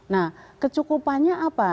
nah kecukupannya apa